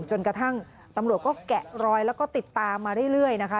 จนกระทั่งตำรวจก็แกะรอยแล้วก็ติดตามมาเรื่อยนะคะ